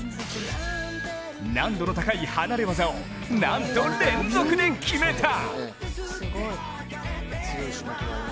難度の高い離れ技をなんと連続で決めた！